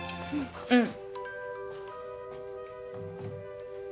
うん。